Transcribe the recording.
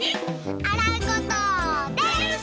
あらうこと。です！